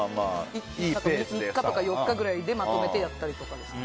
３日とか４日くらいでまとめてやったりですか。